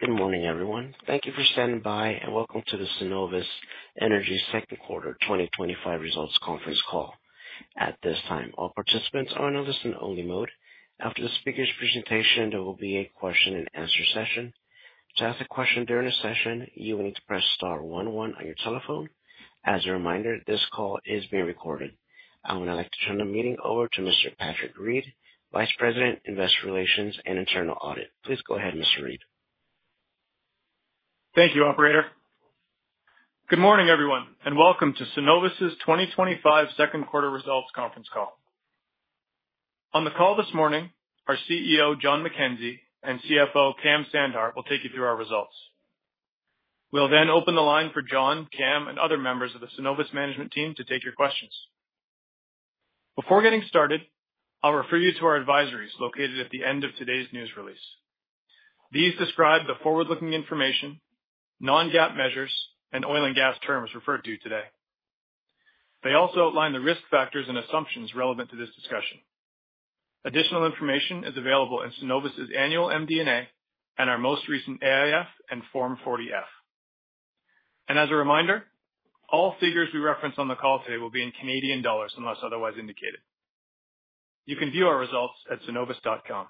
Good morning, everyone. Thank you for standing by and welcome to the Cenovus Energy Second Quarter 2025 Results Conference Call. At this time, all participants are in a listen-only mode. After the speaker's presentation, there will be a question-and-answer session. To ask a question during the session, you will need to press star one one on your telephone. As a reminder, this call is being recorded. I would now like to turn the meeting over to Mr. Patrick Reed, Vice President, Investor Relations and Internal Audit. Please go ahead, Mr. Reed. Thank you, Operator. Good morning, everyone, and welcome to Cenovus Energy's 2025 Second Quarter Results Conference Call. On the call this morning, our CEO, Jon McKenzie, and CFO, Kam Sandhar, will take you through our results. We'll then open the line for Jon, Kam, and other members of the Cenovus Management Team to take your questions. Before getting started, I'll refer you to our advisories located at the end of today's news release. These describe the forward-looking information, non-GAAP measures, and oil and gas terms referred to today. They also outline the risk factors and assumptions relevant to this discussion. Additional information is available in Cenovus Energy's Annual MD&A and our most recent AIF and Form 40F. As a reminder, all figures we reference on the call today will be in Canadian dollars unless otherwise indicated. You can view our results at cenovus.com.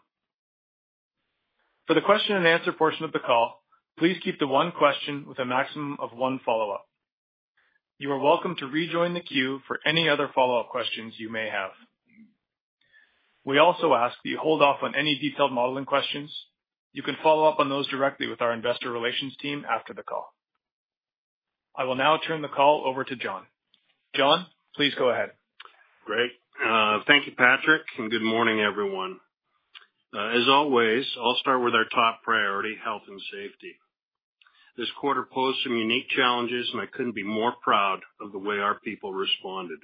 For the question-and-answer portion of the call, please keep to one question with a maximum of one follow-up. You are welcome to rejoin the queue for any other follow-up questions you may have. We also ask that you hold off on any detailed modeling questions. You can follow up on those directly with our Investor Relations team after the call. I will now turn the call over to Jon. Jon, please go ahead. Great. Thank you, Patrick, and good morning, everyone. As always, I'll start with our top priority, health and safety. This quarter posed some unique challenges, and I couldn't be more proud of the way our people responded.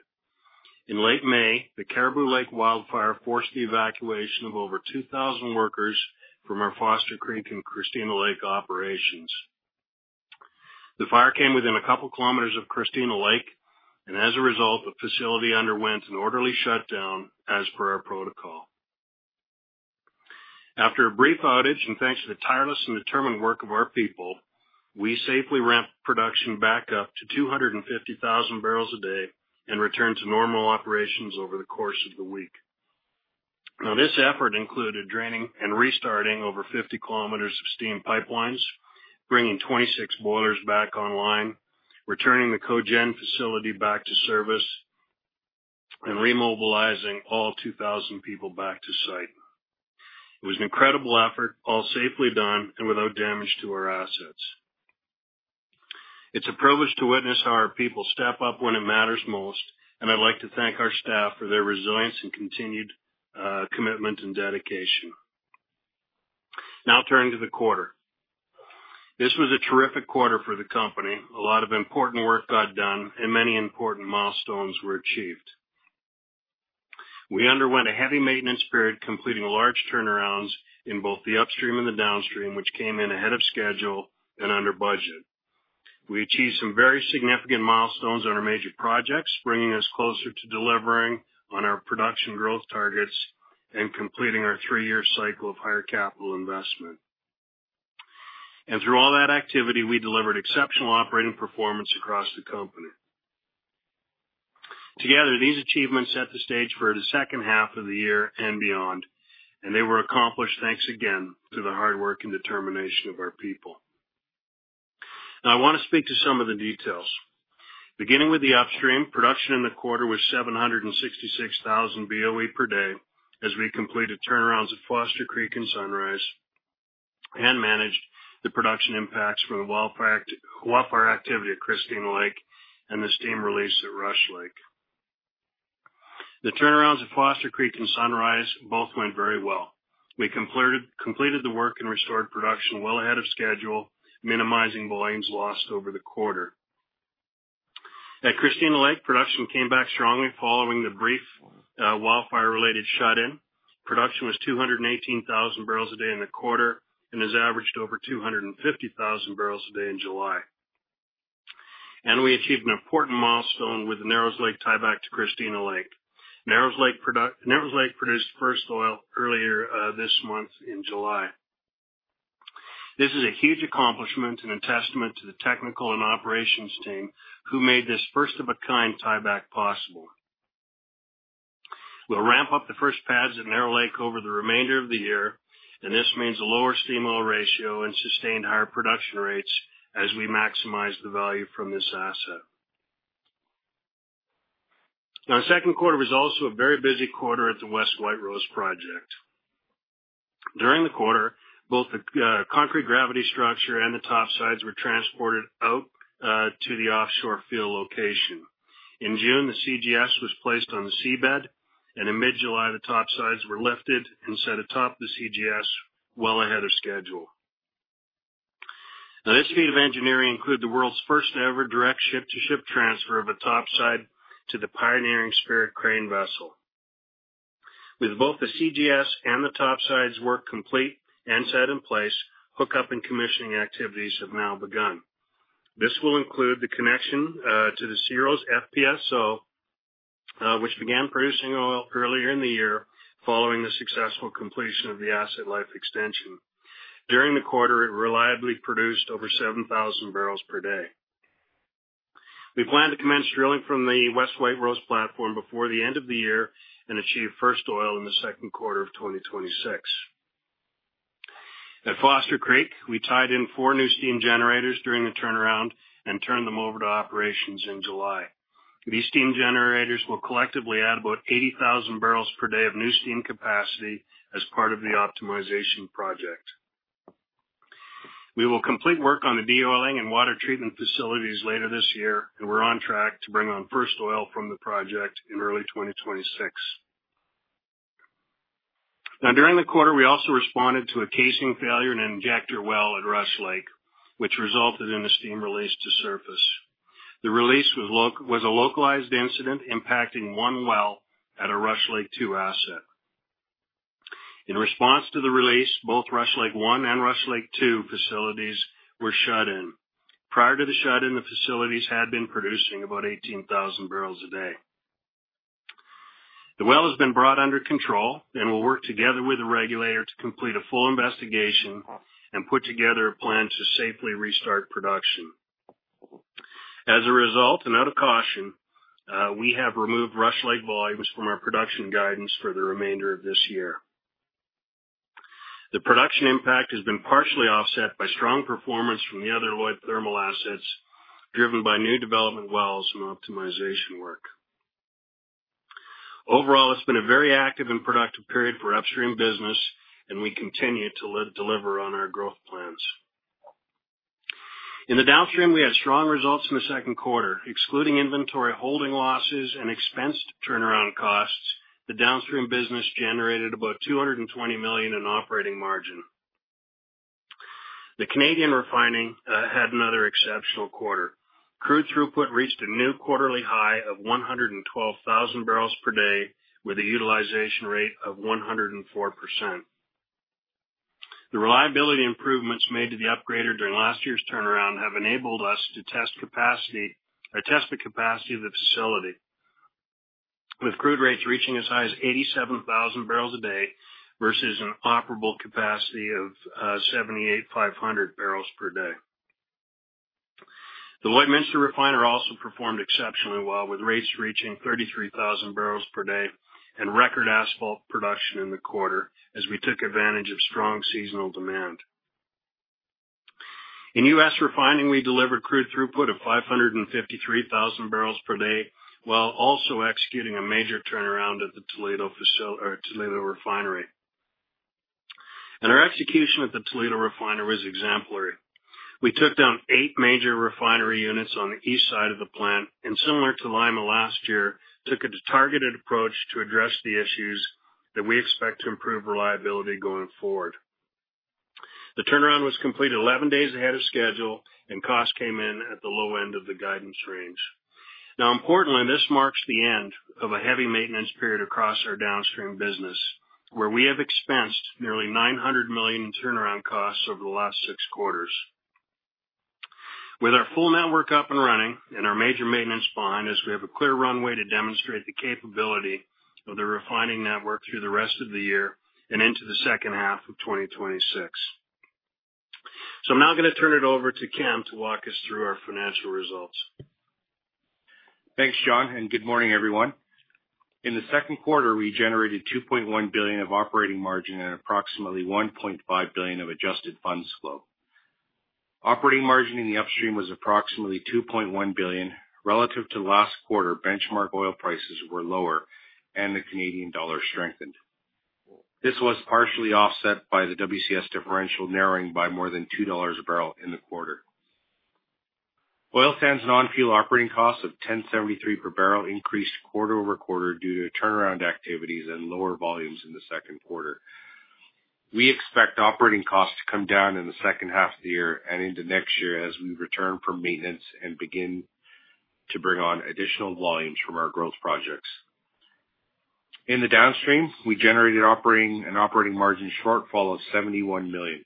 In late May, the Caribou Lake wildfire forced the evacuation of over 2,000 workers from our Foster Creek and Christina Lake operations. The fire came within a couple of kilometers of Christina Lake, and as a result, the facility underwent an orderly shutdown as per our protocol. After a brief outage and thanks to the tireless and determined work of our people, we safely ramped production back up to 250,000 barrels a day and returned to normal operations over the course of the week. This effort included draining and restarting over 50 kilometers of steam pipelines, bringing 26 boilers back online, returning the Cogen facility back to service, and remobilizing all 2,000 people back to site. It was an incredible effort, all safely done and without damage to our assets. It's a privilege to witness how our people step up when it matters most, and I'd like to thank our staff for their resilience and continued commitment and dedication. Now, turning to the quarter. This was a terrific quarter for the company. A lot of important work got done, and many important milestones were achieved. We underwent a heavy maintenance period, completing large turnarounds in both the upstream and the downstream, which came in ahead of schedule and under budget. We achieved some very significant milestones on our major projects, bringing us closer to delivering on our production growth targets and completing our three-year cycle of higher capital investment. Through all that activity, we delivered exceptional operating performance across the company. Together, these achievements set the stage for the second half of the year and beyond, and they were accomplished thanks again to the hard work and determination of our people. Now, I want to speak to some of the details. Beginning with the upstream, production in the quarter was 766,000 BOE/d as we completed turnarounds at Foster Creek and Sunrise and managed the production impacts from the wildfire activity at Christina Lake and the steam release at Rush Lake. The turnarounds at Foster Creek and Sunrise both went very well. We completed the work and restored production well ahead of schedule, minimizing volumes lost over the quarter. At Christina Lake, production came back strongly following the brief wildfire-related shut-in. Production was 218,000 barrels a day in the quarter and has averaged over 250,000 barrels a day in July. We achieved an important milestone with the Narrows Lake tieback to Christina Lake. Narrows Lake produced first oil earlier this month in July. This is a huge accomplishment and a testament to the technical and operations team who made this first-of-a-kind tieback possible. We'll ramp up the first pads at Narrows Lake over the remainder of the year, and this means a lower steam oil ratio and sustained higher production rates as we maximize the value from this asset. The second quarter was also a very busy quarter at the West White Rose project. During the quarter, both the concrete gravity structure and the top sides were transported out to the offshore field location. In June, the CGS was placed on the seabed, and in mid-July, the top sides were lifted and set atop the CGS well ahead of schedule. This feat of engineering included the world's first-ever direct ship-to-ship transfer of a top side to the Pioneering Spirit crane vessel. With both the CGS and the top sides' work complete and set in place, hookup and commissioning activities have now begun. This will include the connection to the SeaRose FPSO, which began producing oil earlier in the year following the successful completion of the asset life extension. During the quarter, it reliably produced over 7,000 barrels per day. We plan to commence drilling from the West White Rose platform before the end of the year and achieve first oil in the second quarter of 2026. At Foster Creek, we tied in four new steam generators during the turnaround and turned them over to operations in July. These steam generators will collectively add about 80,000 barrels per day of new steam capacity as part of the optimization project. We will complete work on the de-oiling and water treatment facilities later this year, and we're on track to bring on first oil from the project in early 2026. During the quarter, we also responded to a casing failure in an injector well at Rush Lake, which resulted in a steam release to surface. The release was a localized incident impacting one well at a Rush Lake 2 asset. In response to the release, both Rush Lake 1 and Rush Lake 2 facilities were shut in. Prior to the shut-in, the facilities had been producing about 18,000 barrels a day. The well has been brought under control and we will work together with the regulator to complete a full investigation and put together a plan to safely restart production. As a result, and out of caution, we have removed Rush Lake volumes from our production guidance for the remainder of this year. The production impact has been partially offset by strong performance from the other Lloyd thermal assets driven by new development wells and optimization work. Overall, it's been a very active and productive period for our upstream business, and we continue to deliver on our growth plans. In the downstream, we had strong results in the second quarter. Excluding inventory holding losses and expensed turnaround costs, the downstream business generated about 220 million in operating margin. The Canadian refining had another exceptional quarter. Crude throughput reached a new quarterly high of 112,000 barrels per day with a utilization rate of 104%. The reliability improvements made to the upgrader during last year's turnaround have enabled us to test the capacity of the facility, with crude rates reaching as high as 87,000 barrels per day versus an operable capacity of 78,500 barrels per day. The Lloydminster refiner also performed exceptionally well with rates reaching 33,000 barrels per day and record asphalt production in the quarter as we took advantage of strong seasonal demand. In U.S. refining, we delivered crude throughput of 553,000 barrels per day while also executing a major turnaround at the Toledo Refinery. Our execution at the Toledo Refinery was exemplary. We took down eight major refinery units on the east side of the plant and, similar to Lima last year, took a targeted approach to address the issues that we expect to improve reliability going forward. The turnaround was completed 11 days ahead of schedule, and costs came in at the low end of the guidance range. Importantly, this marks the end of a heavy maintenance period across our downstream business where we have expensed nearly 900 million in turnaround costs over the last six quarters. With our full network up and running and our major maintenance behind us, we have a clear runway to demonstrate the capability of the refining network through the rest of the year and into the second half of 2026. I'm now going to turn it over to Kam to walk us through our financial results. Thanks, Jon, and good morning, everyone. In the second quarter, we generated 2.1 billion of operating margin and approximately 1.5 billion of adjusted funds flow. Operating margin in the upstream was approximately 2.1 billion. Relative to last quarter, benchmark oil prices were lower and the Canadian dollar strengthened. This was partially offset by the WCS differential narrowing by more than 2 dollars a barrel in the quarter. Oil sands non-fuel operating costs of 10.73 per barrel increased quarter over quarter due to turnaround activities and lower volumes in the second quarter. We expect operating costs to come down in the second half of the year and into next year as we return from maintenance and begin to bring on additional volumes from our growth projects. In the downstream, we generated an operating margin shortfall of 71 million.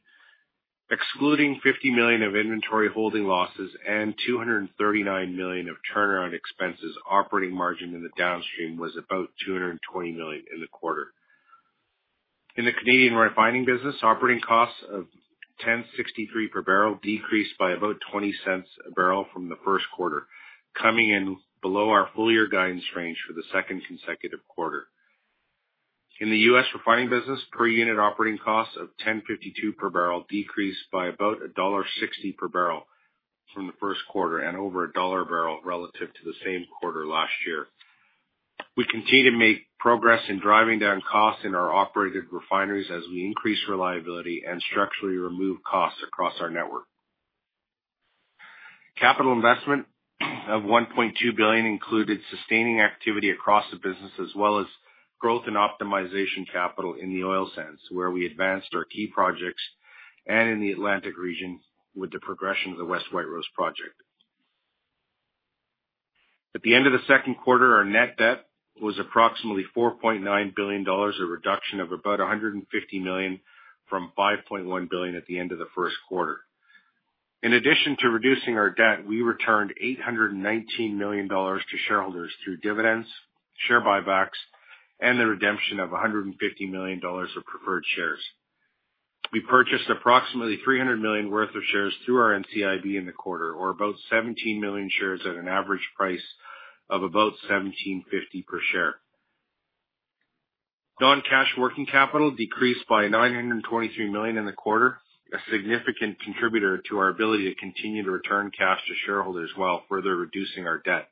Excluding 50 million of inventory holding losses and 239 million of turnaround expenses, operating margin in the downstream was about 220 million in the quarter. In the Canadian refining business, operating costs of 10.63 per barrel decreased by about 0.20 a barrel from the first quarter, coming in below our full-year guidance range for the second consecutive quarter. In the U.S. refining business, per unit operating costs of 10.52 per barrel decreased by about dollar 1.60 per barrel from the first quarter and over CAD 1 a barrel relative to the same quarter last year. We continue to make progress in driving down costs in our operated refineries as we increase reliability and structurally remove costs across our network. Capital investment of 1.2 billion included sustaining activity across the business as well as growth and optimization capital in the oil sands, where we advanced our key projects, and in the Atlantic region with the progression of the West White Rose project. At the end of the second quarter, our net debt was approximately 4.9 billion dollars, a reduction of about 150 million from 5.1 billion at the end of the first quarter. In addition to reducing our debt, we returned 819 million dollars to shareholders through dividends, share buybacks, and the redemption of 150 million dollars of preferred shares. We purchased approximately 300 million worth of shares through our NCIB in the quarter, or about 17 million shares at an average price of about 17.50 per share. Non-cash working capital decreased by 923 million in the quarter, a significant contributor to our ability to continue to return cash to shareholders while further reducing our debt.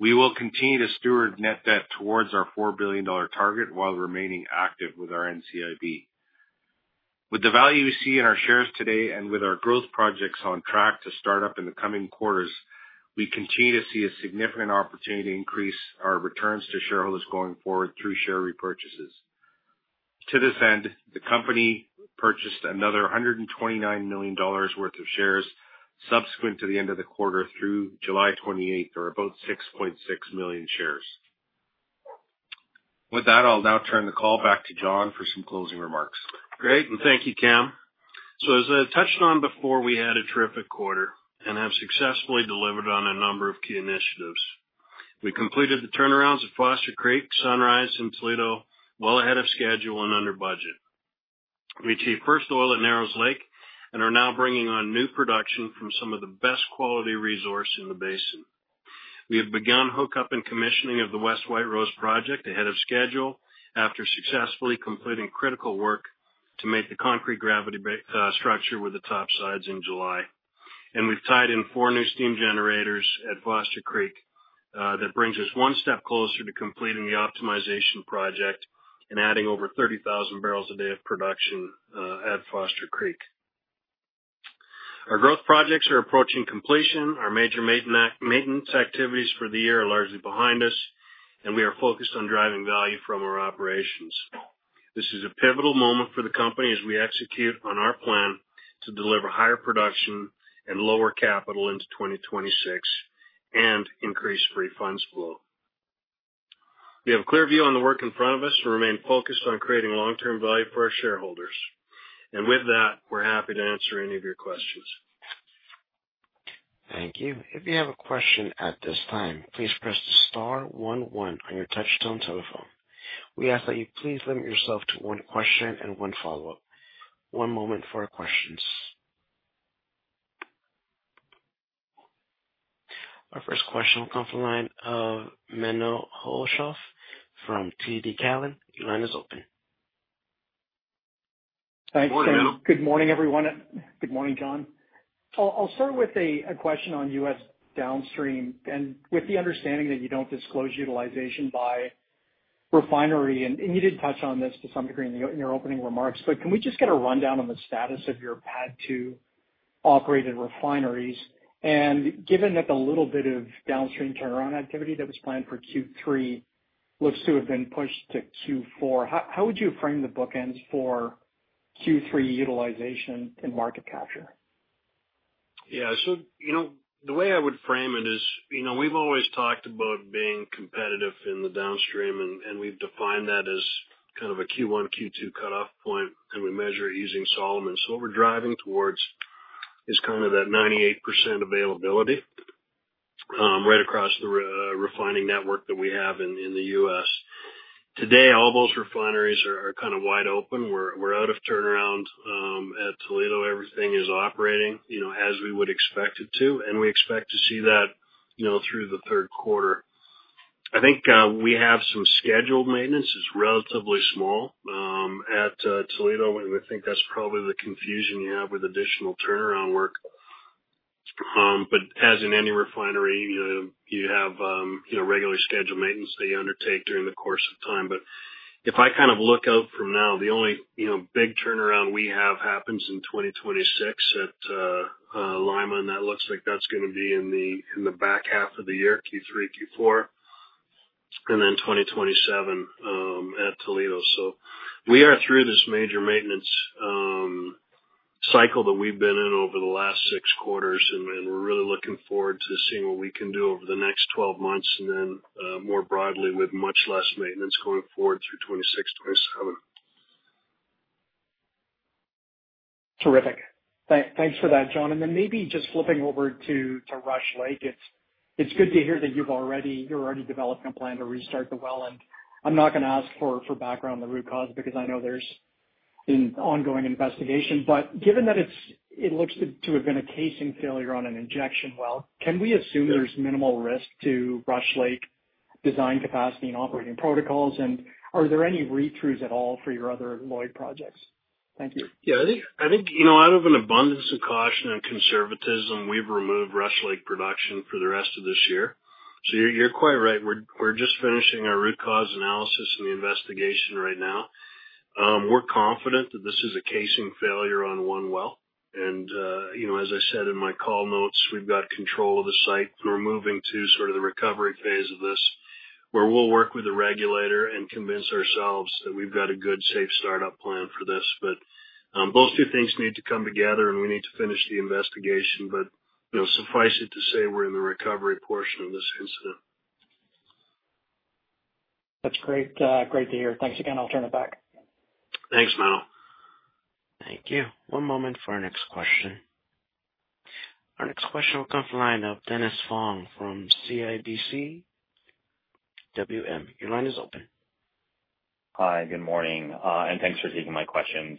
We will continue to steward net debt towards our 4 billion dollar target while remaining active with our NCIB. With the value we see in our shares today and with our growth projects on track to start up in the coming quarters, we continue to see a significant opportunity to increase our returns to shareholders going forward through share repurchases. To this end, the company purchased another 129 million dollars worth of shares subsequent to the end of the quarter through July 28, or about 6.6 million shares. With that, I'll now turn the call back to Jon for some closing remarks. Thank you, Kam. As I touched on before, we had a terrific quarter and have successfully delivered on a number of key initiatives. We completed the turnarounds at Foster Creek, Sunrise, and Toledo well ahead of schedule and under budget. We achieved first oil at Narrows Lake and are now bringing on new production from some of the best quality resources in the basin. We have begun hookup and commissioning of the West White Rose project ahead of schedule after successfully completing critical work to make the concrete gravity structure with the top sides in July. We've tied in four new steam generators at Foster Creek that brings us one step closer to completing the optimization project and adding over 30,000 barrels a day of production at Foster Creek. Our growth projects are approaching completion. Our major maintenance activities for the year are largely behind us, and we are focused on driving value from our operations. This is a pivotal moment for the company as we execute on our plan to deliver higher production and lower capital into 2026 and increase free funds flow. We have a clear view on the work in front of us and remain focused on creating long-term value for our shareholders. With that, we're happy to answer any of your questions. Thank you. If you have a question at this time, please press the star one one on your touch-tone telephone. We ask that you please limit yourself to one question and one follow-up. One moment for our questions. Our first question will come from the line of Menno Hulshof from TD Cowe. Your line is open. Thanks. Good morning, everyone. Good morning, Jon. I'll start with a question on U.S. downstream. With the understanding that you don't disclose utilization by refinery, and you did touch on this to some degree in your opening remarks, can we just get a rundown on the status of your PADD 2 operated refineries? Given that the little bit of downstream turnaround activity that was planned for Q3 looks to have been pushed to Q4, how would you frame the bookends for Q3 utilization and market capture? Yeah. The way I would frame it is we've always talked about being competitive in the downstream, and we've defined that as kind of a Q1, Q2 cutoff point, and we measure it using Solomon. What we're driving towards is kind of that 98% availability right across the refining network that we have in the U.S. Today, all those refineries are kind of wide open. We're out of turnaround at Toledo. Everything is operating as we would expect it to, and we expect to see that through the third quarter. I think we have some scheduled maintenance. It's relatively small at Toledo, and I think that's probably the confusion you have with additional turnaround work. As in any refinery, you have regularly scheduled maintenance that you undertake during the course of time. If I look out from now, the only big turnaround we have happens in 2026 at Lima, and that looks like that's going to be in the back half of the year, Q3, Q4, and then 2027 at Toledo. We are through this major maintenance cycle that we've been in over the last six quarters, and we're really looking forward to seeing what we can do over the next 12 months and then more broadly with much less maintenance going forward through 2026, 2027. Terrific. Thanks for that, Jon. Maybe just flipping over to Rush Lake, it's good to hear that you've already developed a plan to restart the well. I'm not going to ask for background on the root cause because I know there's an ongoing investigation. Given that it looks to have been a casing failure on an injection well, can we assume there's minimal risk to Rush Lake design capacity and operating protocols? Are there any re-throughs at all for your other Lloyd projects? Thank you. I think out of an abundance of caution and conservatism, we've removed Rush Lake production for the rest of this year. You're quite right. We're just finishing our root cause analysis and the investigation right now. We're confident that this is a casing failure on one well. As I said in my call notes, we've got control of the site, and we're moving to the recovery phase of this where we'll work with the regulator and convince ourselves that we've got a good, safe startup plan for this. Both two things need to come together, and we need to finish the investigation. Suffice it to say we're in the recovery portion of this incident. That's great to hear. Thanks again. I'll turn it back. Thanks, Menno. Thank you. One moment for our next question. Our next question will come from the line of Dennis Fong from CIBC. Your line is open. Hi. Good morning. Thanks for taking my questions.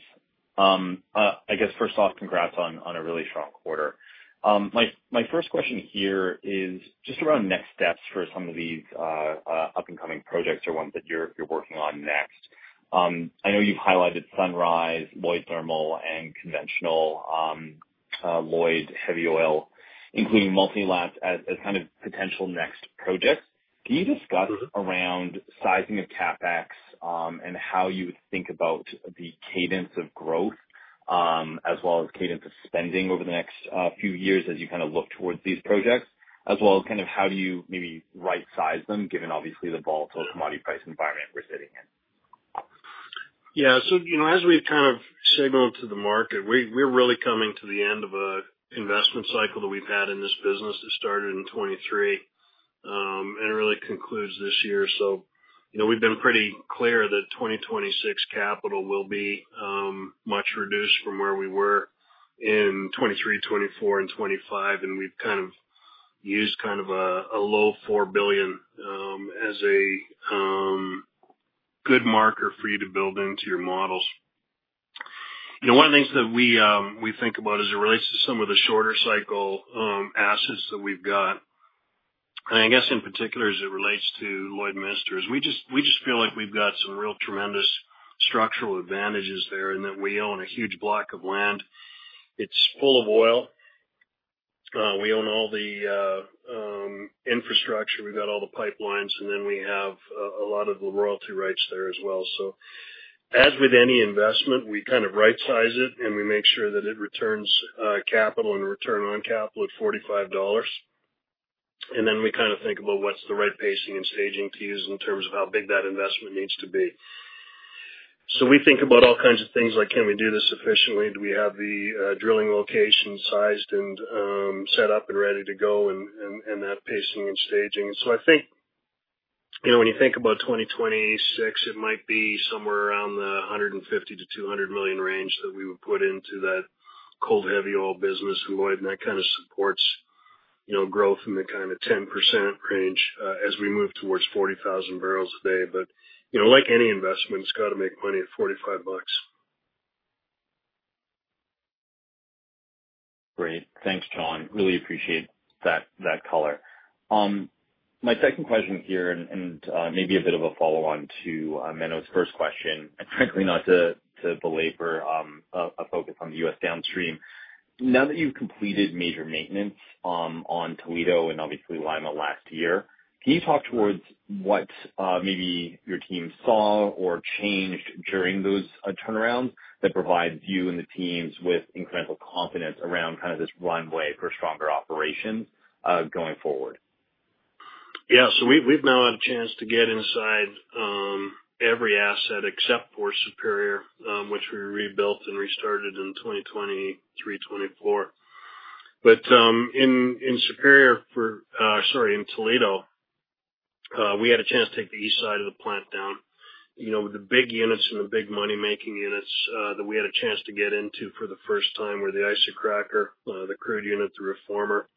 First off, congrats on a really strong quarter. My first question here is just around next steps for some of these up-and-coming projects or ones that you're working on next. I know you've highlighted Sunrise, Lloyd Thermal, and Conventional. Lloyd Heavy Oil, including Multilabs, as kind of potential next projects. Can you discuss around sizing of CapEx and how you would think about the cadence of growth, as well as cadence of spending over the next few years as you look towards these projects, as well as how do you maybe right-size them, given obviously the volatile commodity price environment we're sitting in? Yeah. As we've kind of signaled to the market, we're really coming to the end of an investment cycle that we've had in this business that started in 2023, and it really concludes this year. We've been pretty clear that 2026 capital will be much reduced from where we were in 2023, 2024, and 2025. We've kind of used kind of a low 4 billion as a good marker for you to build into your models. One of the things that we think about as it relates to some of the shorter cycle assets that we've got, and I guess in particular as it relates to Lloydminster, is we just feel like we've got some real tremendous structural advantages there in that we own a huge block of land. It's full of oil. We own all the infrastructure. We've got all the pipelines, and then we have a lot of the royalty rights there as well. As with any investment, we kind of right-size it, and we make sure that it returns capital and return on capital at 45 dollars. We kind of think about what's the right pacing and staging to use in terms of how big that investment needs to be. We think about all kinds of things like, can we do this efficiently? Do we have the drilling location sized and set up and ready to go and that pacing and staging? I think when you think about 2026, it might be somewhere around the 150 million to 200 million range that we would put into that cold heavy oil business in Lloyd, and that kind of supports growth in the kind of 10% range as we move towards 40,000 barrels a day. Like any investment, it's got to make money at 45 bucks. Great. Thanks, Jon. Really appreciate that color. My second question here, and maybe a bit of a follow-on to Menno's first question, and frankly, not to belabor a focus on the U.S. downstream. Now that you've completed major maintenance on Toledo and obviously Lima last year, can you talk towards what maybe your team saw or changed during those turnarounds that provides you and the teams with incremental confidence around kind of this runway for stronger operations going forward? Yeah. We've now had a chance to get inside every asset except for Superior, which we rebuilt and restarted in 2023, 2024. In Superior, sorry, in Toledo, we had a chance to take the east side of the plant down. The big units and the big money-making units that we had a chance to get into for the first time were the isocracker, the crude unit, the reformer.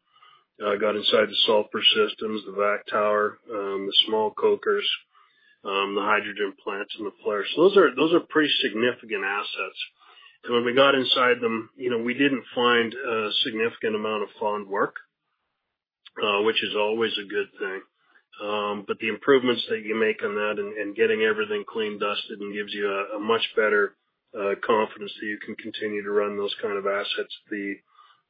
Got inside the sulfur systems, the vac tower, the small cokers, the hydrogen plants, and the flares. Those are pretty significant assets. When we got inside them, we didn't find a significant amount of found work, which is always a good thing. The improvements that you make on that and getting everything cleaned, dusted, gives you a much better confidence that you can continue to run those kind of assets, the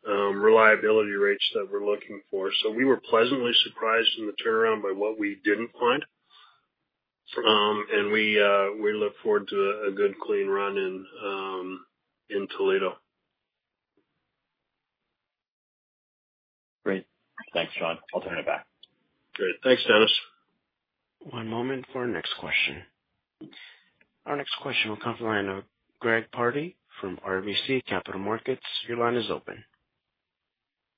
reliability rates that we're looking for. We were pleasantly surprised in the turnaround by what we didn't find. We look forward to a good clean run in Toledo. Great. Thanks, Jon. I'll turn it back. Great. Thanks, Dennis. One moment for our next question. Our next question will come from Greg Pardy from RBC Capital Markets. Your line is open.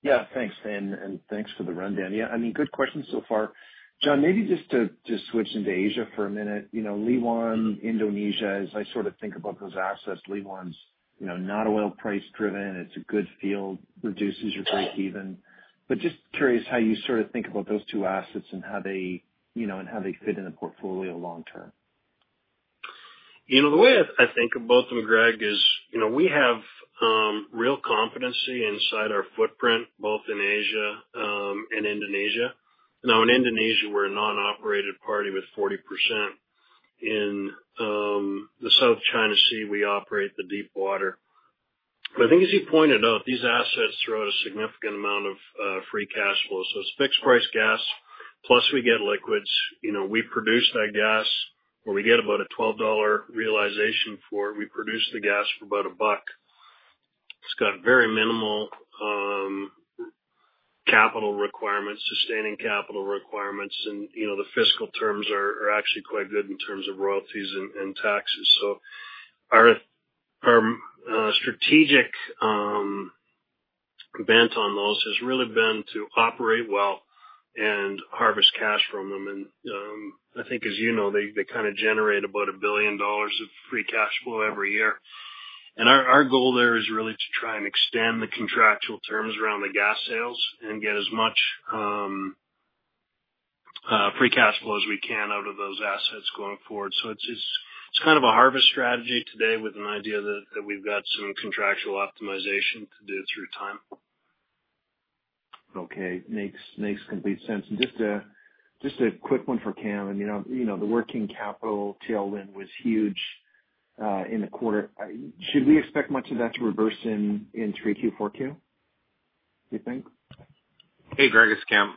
Yeah. Thanks, Finn. Thanks for the rundown. Yeah, good questions so far. Jon, maybe just to switch into Asia for a minute. Leeuwen, Indonesia, as I sort of think about those assets, Leeuwen's not oil price-driven. It's a good field, reduces your break-even. Just curious how you sort of think about those two assets and how they fit in the portfolio long-term. The way I think about them, Greg, is we have real competency inside our footprint, both in Asia and Indonesia. In Indonesia, we're a non-operated party with 40%. In the South China Sea, we operate the deep water. I think, as you pointed out, these assets throw out a significant amount of free cash flow. It's fixed-price gas, plus we get liquids. We produce that gas where we get about a 12 dollar realization for. We produce the gas for about a buck. It's got very minimal capital requirements, sustaining capital requirements, and the fiscal terms are actually quite good in terms of royalties and taxes. Our strategic bent on those has really been to operate well and harvest cash from them. I think, as you know, they kind of generate about 1 billion dollars of free cash flow every year. Our goal there is really to try and extend the contractual terms around the gas sales and get as much free cash flow as we can out of those assets going forward. It's kind of a harvest strategy today with an idea that we've got some contractual optimization to do through time. Okay. Makes complete sense. Just a quick one for Kam. I mean, the working capital tailwind was huge in the quarter. Should we expect much of that to reverse in 3Q, 4Q, do you think? Hey, Greg, it's Kam.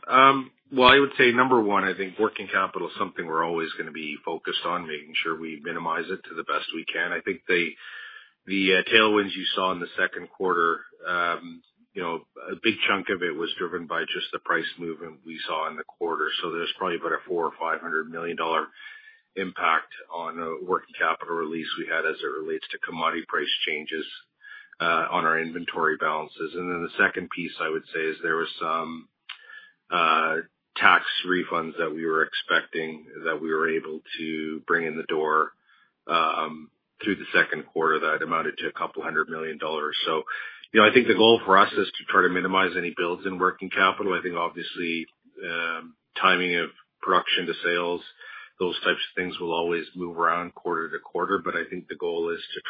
Number one, I think working capital is something we're always going to be focused on, making sure we minimize it to the best we can. The tailwinds you saw in the second quarter, a big chunk of it was driven by just the price movement we saw in the quarter. There's probably about a 400 million or 500 million dollar impact on working capital release we had as it relates to commodity price changes on our inventory balances. The second piece, I would say, is there were some tax refunds that we were expecting that we were able to bring in the door through the second quarter that amounted to a couple hundred million dollars. I think the goal for us is to try to minimize any builds in working capital. Obviously, timing of production to sales, those types of things will always move around quarter to quarter. I think the goal is to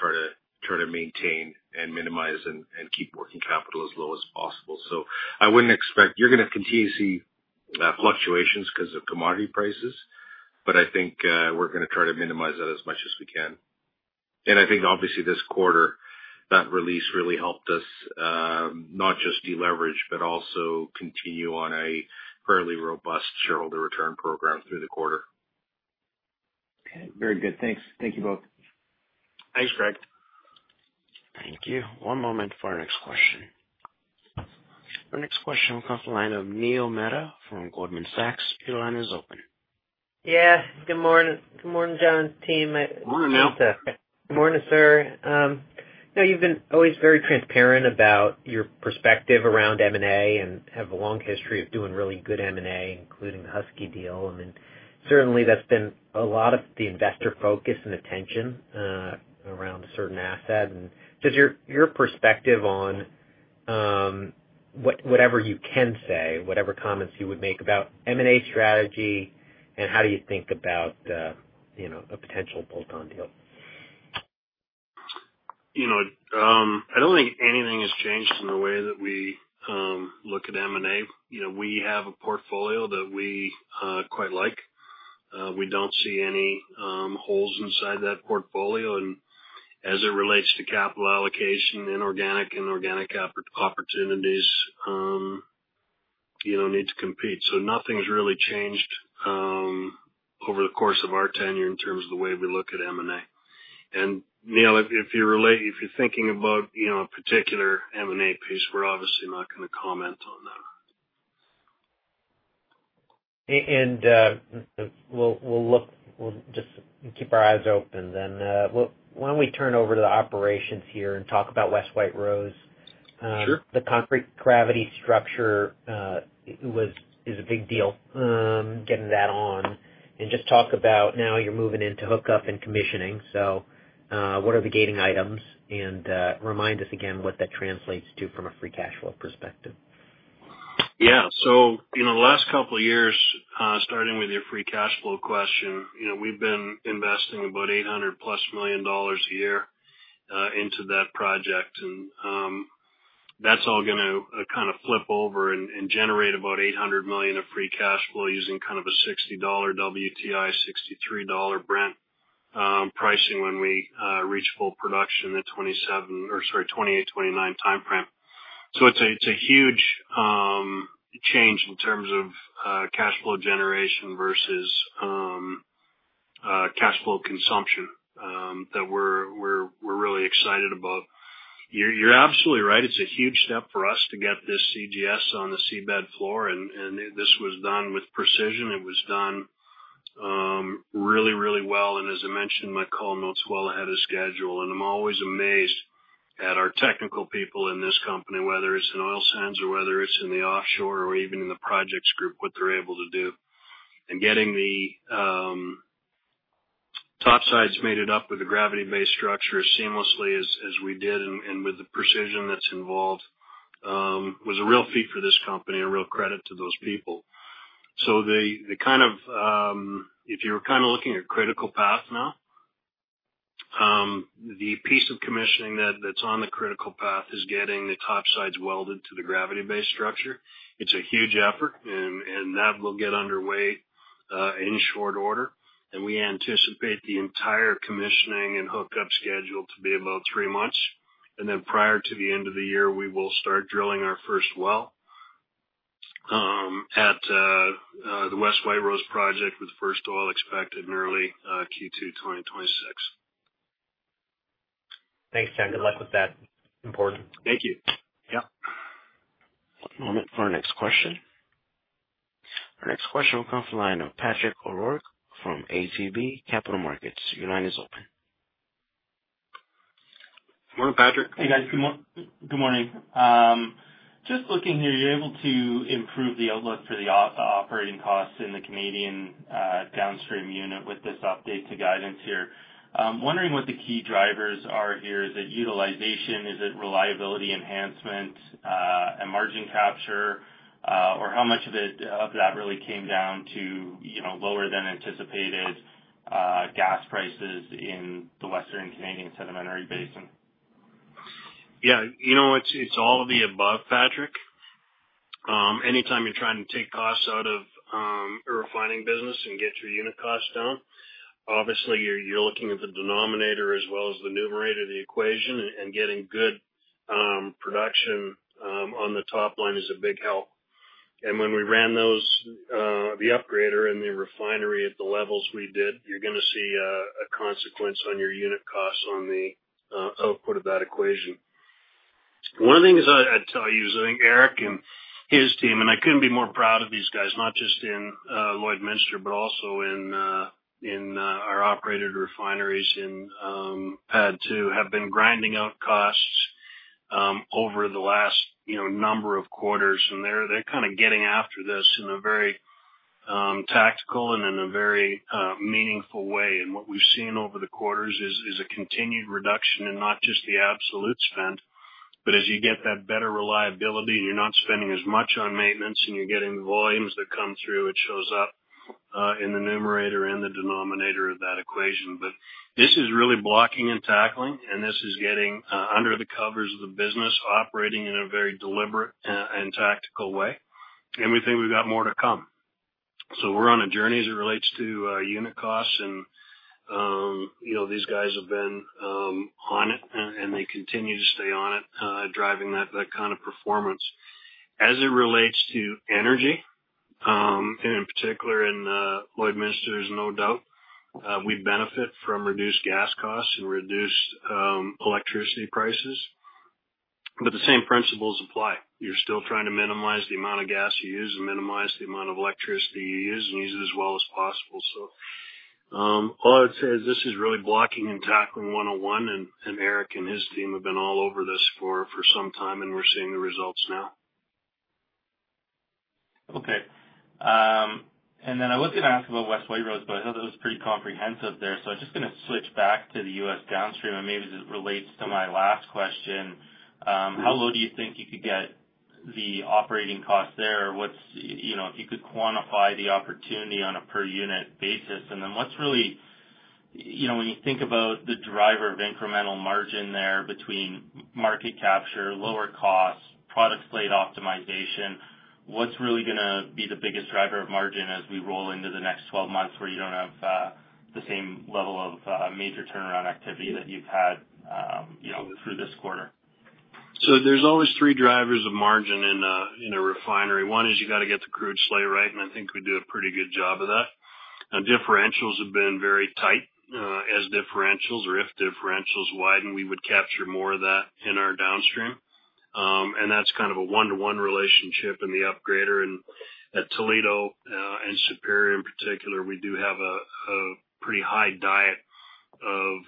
try to maintain and minimize and keep working capital as low as possible. I wouldn't expect you're going to continue to see fluctuations because of commodity prices, but I think we're going to try to minimize that as much as we can. Obviously, this quarter, that release really helped us not just deleverage, but also continue on a fairly robust shareholder return program through the quarter. Okay. Very good. Thanks. Thank you both. Thanks, Greg. Thank you. One moment for our next question. Our next question will come from the line of Neil Mehta from Goldman Sachs. Your line is open. Yeah. Good morning, Jon's team. Morning, Neil. Good morning, sir. You've been always very transparent about your perspective around M&A and have a long history of doing really good M&A, including the Husky deal. Certainly, that's been a lot of the investor focus and attention around a certain asset. Just your perspective on whatever you can say, whatever comments you would make about M&A strategy, and how do you think about a potential bolt-on deal? I don't think anything has changed in the way that we look at M&A. We have a portfolio that we quite like. We don't see any holes inside that portfolio. As it relates to capital allocation and organic opportunities, they need to compete. Nothing's really changed over the course of our tenure in terms of the way we look at M&A. Neil, if you're thinking about a particular M&A piece, we're obviously not going to comment on that. We'll just keep our eyes open. Why don't we turn over to the operations here and talk about West White Rose? Sure. The concrete gravity structure is a big deal, getting that on. Just talk about now you're moving into hookup and commissioning. What are the gating items? Remind us again what that translates to from a free cash flow perspective. Yeah. In the last couple of years, starting with your free cash flow question, we've been investing about 800+ million dollars a year into that project. That's all going to kind of flip over and generate about 800 million of free cash flow using kind of a 60 dollar WTI, 63 dollar Brent pricing when we reach full production in the 2027 or, sorry, 2028, 2029 time frame. It's a huge change in terms of cash flow generation versus cash flow consumption that we're really excited about. You're absolutely right. It's a huge step for us to get this CGS on the seabed floor. This was done with precision. It was done really, really well. As I mentioned in my call notes, well ahead of schedule. I'm always amazed at our technical people in this company, whether it's in oil sands or whether it's in the offshore or even in the projects group, what they're able to do. Getting the top sides mated up with a gravity-based structure as seamlessly as we did and with the precision that's involved was a real feat for this company and a real credit to those people. If you're kind of looking at critical path now, the piece of commissioning that's on the critical path is getting the top sides welded to the gravity-based structure. It's a huge effort, and that will get underway in short order. We anticipate the entire commissioning and hookup schedule to be about three months. Prior to the end of the year, we will start drilling our first well at the West White Rose project with the first oil expected in early Q2 2026. Thanks, Jon. Good luck with that. Important. Thank you. Yeah. One moment for our next question. Our next question will come from Patrick O'Rourke from ATB Capital Markets. Your line is open. Morning, Patrick. Hey, guys. Good morning. Just looking here, you're able to improve the outlook for the operating costs in the Canadian downstream unit with this update to guidance here. I'm wondering what the key drivers are here. Is it utilization? Is it reliability enhancement and margin capture? Or how much of that really came down to lower than anticipated gas prices in the Western Canadian Sedimentary Basin? Yeah. It's all of the above, Patrick. Anytime you're trying to take costs out of a refining business and get your unit costs down, obviously, you're looking at the denominator as well as the numerator of the equation, and getting good production on the top line is a big help. When we ran the upgrader and the refinery at the levels we did, you're going to see a consequence on your unit costs on the output of that equation. One of the things I'd tell you is I think Eric and his team, and I couldn't be more proud of these guys, not just in Lloydminster, but also in our operated refineries in PADD 2, have been grinding out costs over the last number of quarters. They're kind of getting after this in a very tactical and in a very meaningful way. What we've seen over the quarters is a continued reduction in not just the absolute spend, but as you get that better reliability and you're not spending as much on maintenance and you're getting the volumes that come through, it shows up in the numerator and the denominator of that equation. This is really blocking and tackling, and this is getting under the covers of the business, operating in a very deliberate and tactical way. We think we've got more to come. We're on a journey as it relates to unit costs. These guys have been on it, and they continue to stay on it, driving that kind of performance. As it relates to energy, and in particular in Lloydminster, there's no doubt we benefit from reduced gas costs and reduced electricity prices. The same principles apply. You're still trying to minimize the amount of gas you use and minimize the amount of electricity you use and use it as well as possible. All I would say is this is really blocking and tackling one-on-one, and Eric and his team have been all over this for some time, and we're seeing the results now. Okay. I was going to ask about West White Rose, but I thought that was pretty comprehensive there. I'm just going to switch back to the U.S. downstream. Maybe as it relates to my last question, how low do you think you could get the operating costs there, or if you could quantify the opportunity on a per unit basis? What's really, when you think about the driver of incremental margin there between market capture, lower costs, product slate optimization, what's really going to be the biggest driver of margin as we roll into the next 12 months where you don't have the same level of major turnaround activity that you've had through this quarter? There are always three drivers of margin in a refinery. One is you have to get the crude slate right, and I think we do a pretty good job of that. Now, differentials have been very tight. If differentials widen, we would capture more of that in our downstream, and that's kind of a one-to-one relationship in the upgrader. At Toledo and Superior in particular, we do have a pretty high diet of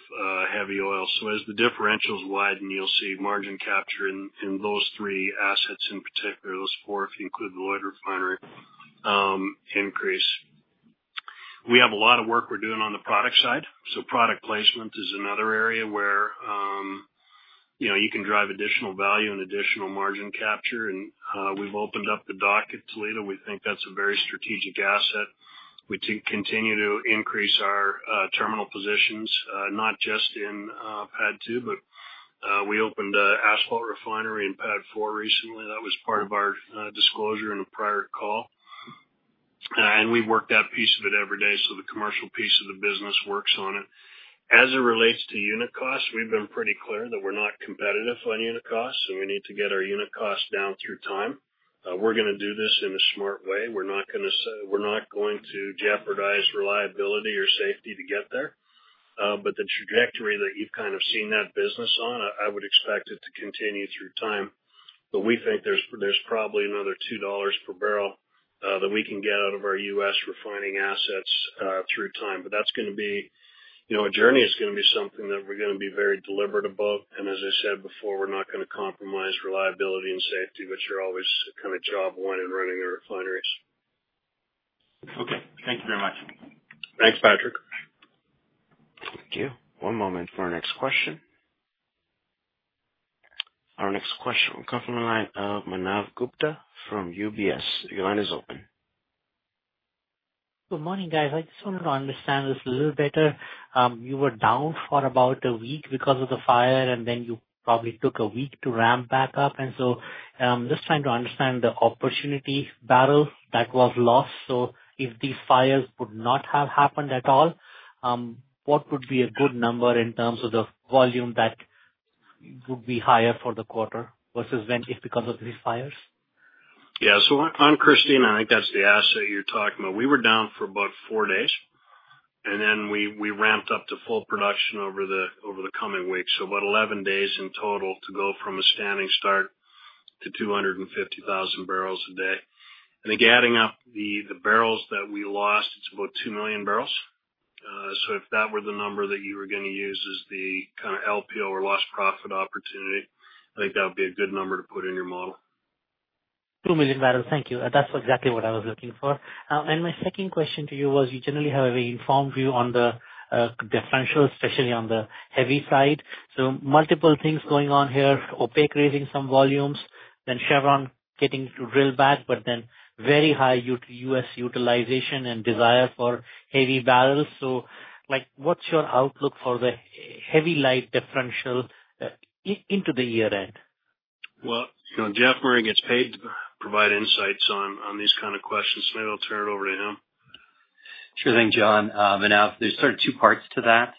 heavy oil. As the differentials widen, you'll see margin capture in those three assets in particular, those four if you include the Lloyd refinery. We have a lot of work we're doing on the product side, so product placement is another area where you can drive additional value and additional margin capture. We've opened up the dock at Toledo. We think that's a very strategic asset. We continue to increase our terminal positions, not just in PADD 2, but we opened an asphalt refinery in PADD 4 recently. That was part of our disclosure in a prior call, and we work that piece of it every day. The commercial piece of the business works on it. As it relates to unit costs, we've been pretty clear that we're not competitive on unit costs, and we need to get our unit costs down through time. We're going to do this in a smart way. We're not going to jeopardize reliability or safety to get there. The trajectory that you've kind of seen that business on, I would expect it to continue through time. We think there's probably another 2 dollars per barrel that we can get out of our U.S. refining assets through time, but that's going to be a journey. It's going to be something that we're going to be very deliberate about. As I said before, we're not going to compromise reliability and safety, which are always kind of job one in running the refineries. Okay, thank you very much. Thanks, Patrick. Thank you. One moment for our next question. Our next question will come from the line of Manav Gupta from UBS. Your line is open. Good morning, guys. I just wanted to understand this a little better. You were down for about a week because of the fire, and you probably took a week to ramp back up. I'm just trying to understand the opportunity barrel that was lost. If these fires would not have happened at all, what would be a good number in terms of the volume that would be higher for the quarter versus if because of these fires? Yeah. I'm Christina. I think that's the asset you're talking about. We were down for about four days, and we ramped up to full production over the coming week. About 11 days in total to go from a standing start to 250,000 barrels a day. I think adding up the barrels that we lost, it's about 2 million barrels. If that were the number that you were going to use as the kind of LPO or lost profit opportunity, I think that would be a good number to put in your model. 2 million barrels. Thank you. That's exactly what I was looking for. My second question to you was, you generally have a very informed view on the differential, especially on the heavy side. Multiple things going on here. OPEC raising some volumes, Chevron getting to drill back, very high U.S. utilization and desire for heavy barrels. What's your outlook for the heavy light differential into the year-end? Geoff Murray gets paid to provide insights on these kind of questions, so maybe I'll turn it over to him. Sure thing, Jon. There are sort of two parts to that.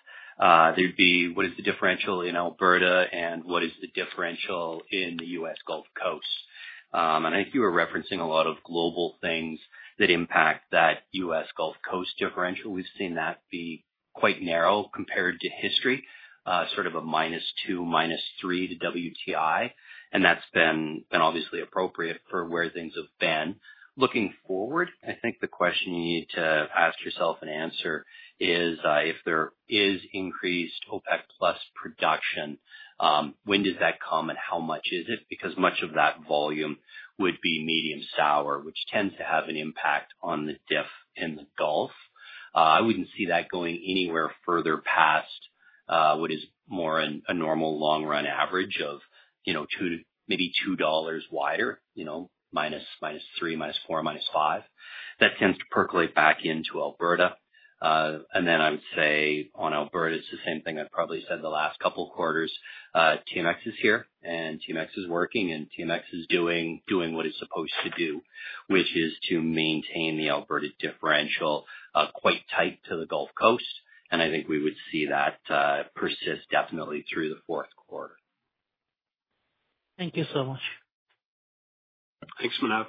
There would be what is the differential in Alberta and what is the differential in the U.S. Gulf Coast. I think you were referencing a lot of global things that impact that U.S. Gulf Coast differential. We've seen that be quite narrow compared to history, sort of a -2, -3 to WTI. That's been obviously appropriate for where things have been. Looking forward, I think the question you need to ask yourself and answer is if there is increased OPEC Plus production. When does that come and how much is it? Much of that volume would be medium sour, which tends to have an impact on the diff in the Gulf. I wouldn't see that going anywhere further past what is more a normal long-run average of maybe 2 dollars wider, -3, -4, -AD 5. That tends to percolate back into Alberta. I would say on Alberta, it's the same thing I probably said the last couple of quarters. TMX is here, and TMX is working, and TMX is doing what it's supposed to do, which is to maintain the Alberta differential quite tight to the Gulf Coast. I think we would see that persist definitely through the fourth quarter. Thank you so much. Thanks, Manav.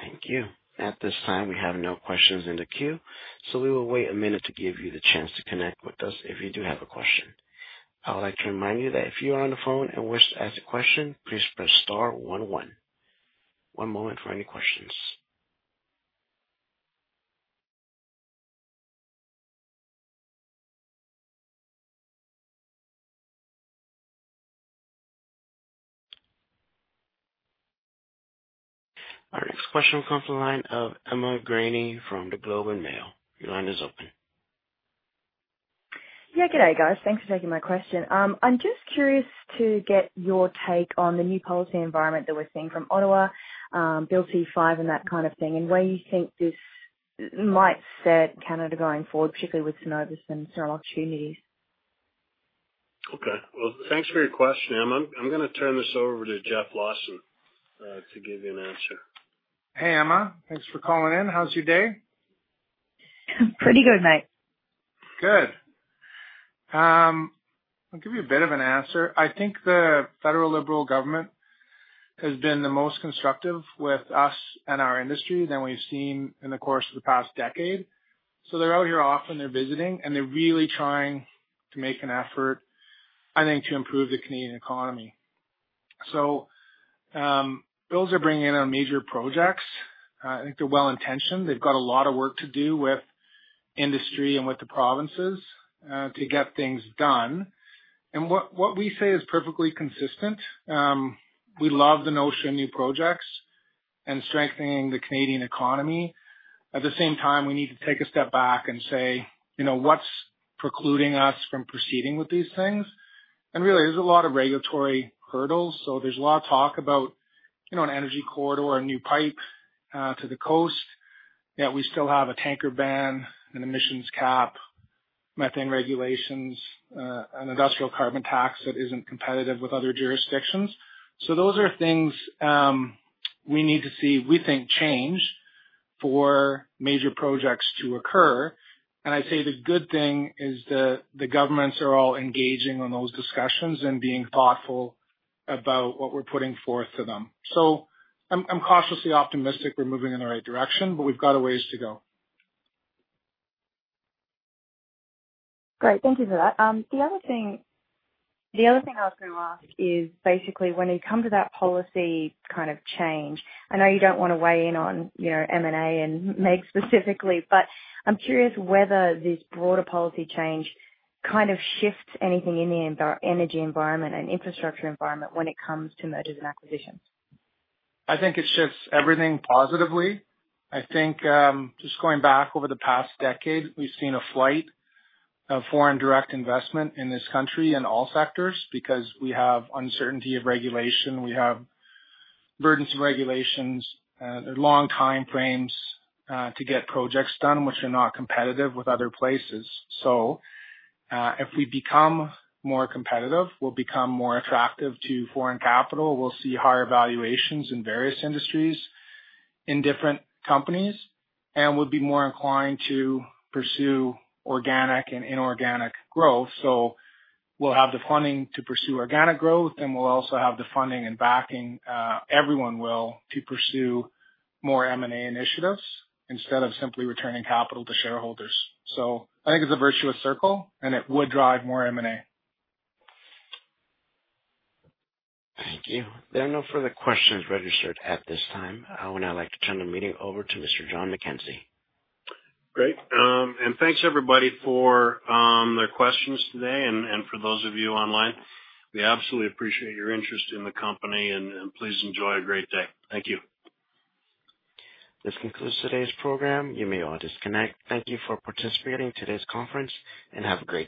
Thank you. At this time, we have no questions in the queue. We will wait a minute to give you the chance to connect with us if you do have a question. I would like to remind you that if you are on the phone and wish to ask a question, please press star one one. One moment for any questions. Our next question will come from the line of Emma Graney from The Globe and Mail. Your line is open. Yeah. G'day, guys. Thanks for taking my question. I'm just curious to get your take on the new policy environment that we're seeing from Ottawa, Bill C-5, and that kind of thing, and where you think this might set Canada going forward, particularly with snow opportunities. Thank you for your question, Emma. I'm going to turn this over to Jeff Lawson to give you an answer. Hey, Emma. Thanks for calling in. How's your day? Pretty good, mate. I'll give you a bit of an answer. I think the federal Liberal government has been the most constructive with us and our industry than we've seen in the course of the past decade. They're out here often, they're visiting, and they're really trying to make an effort, I think, to improve the Canadian economy. Bills are bringing in on major projects. I think they're well-intentioned. They've got a lot of work to do with industry and with the provinces to get things done. What we say is perfectly consistent. We love the notion of new projects and strengthening the Canadian economy. At the same time, we need to take a step back and say, "What's precluding us from proceeding with these things?" There's a lot of regulatory hurdles. There's a lot of talk about an energy corridor or a new pipe to the coast, yet we still have a tanker ban and emissions cap, methane regulations, an industrial carbon tax that isn't competitive with other jurisdictions. Those are things we need to see, we think, change for major projects to occur. The good thing is that the governments are all engaging on those discussions and being thoughtful about what we're putting forth to them. I'm cautiously optimistic we're moving in the right direction, but we've got a ways to go. Great. Thank you for that. The other thing I was going to ask is basically when it comes to that policy kind of change, I know you don't want to weigh in on M&A and MEG specifically, but I'm curious whether this broader policy change kind of shifts anything in the energy environment and infrastructure environment when it comes to mergers and acquisitions. I think it shifts everything positively. I think just going back over the past decade, we've seen a flight of foreign direct investment in this country in all sectors because we have uncertainty of regulation. We have burdensome regulations and long time frames to get projects done, which are not competitive with other places. If we become more competitive, we'll become more attractive to foreign capital. We'll see higher valuations in various industries in different companies and would be more inclined to pursue organic and inorganic growth. We'll have the funding to pursue organic growth, and we'll also have the funding and backing—everyone will—to pursue more M&A initiatives instead of simply returning capital to shareholders. I think it's a virtuous circle, and it would drive more M&A. Thank you. There are no further questions registered at this time. I would now like to turn the meeting over to Mr. Jon McKenzie. Great. Thanks, everybody, for the questions today. For those of you online, we absolutely appreciate your interest in the company. Please enjoy a great day. Thank you. This concludes today's program. You may all disconnect. Thank you for participating in today's conference, and have a great day.